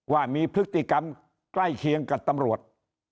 ว่ามีพฤติกรรมใกล้เคียงกับตำรวจ